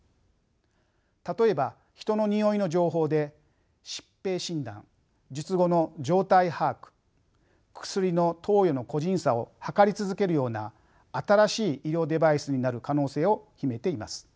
例えば人のにおいの情報で疾病診断術後の状態把握薬の投与の個人差を測り続けるような新しい医療デバイスになる可能性を秘めています。